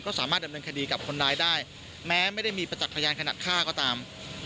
ก็สามารถดำเนินคดีกับคนร้ายได้แม้ไม่ได้มีประจักษ์พยานขนาดฆ่าก็ตาม